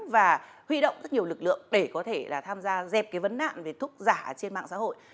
và huy động rất nhiều lực lượng để có thể là tham gia dẹp cái vấn nạn về thuốc giả trên mạng xã hội